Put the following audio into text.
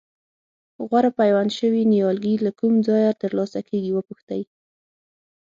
غوره پیوند شوي نیالګي له کوم ځایه ترلاسه کېږي وپوښتئ.